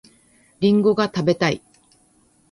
りんごが食べたい